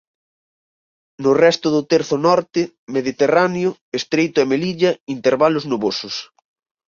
No resto do terzo norte, Mediterráneo, Estreito e Melilla, intervalos nubosos.